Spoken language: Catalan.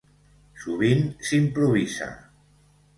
Sovint s'improvisa.